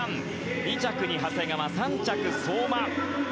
２着に長谷川３着、相馬。